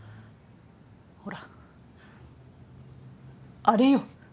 ほらあれよ。